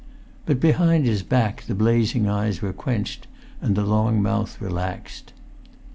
But behind his back the blazing eyes were quenched, and the long mouth relaxed.